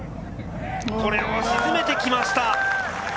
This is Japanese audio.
これを沈めてきました！